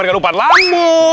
saya terima dengan upah lamu